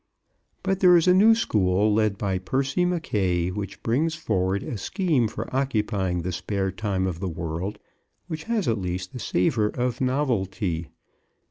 But there is a new school, led by Percy Mackaye, which brings forward a scheme for occupying the spare time of the world which has, at least, the savor of novelty.